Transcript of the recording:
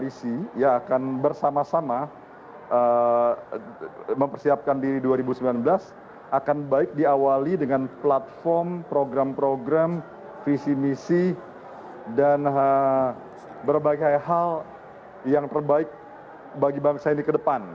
jadi koalisi ya akan bersama sama mempersiapkan di dua ribu sembilan belas akan baik diawali dengan platform program program visi misi dan berbagai hal yang terbaik bagi bangsa ini ke depan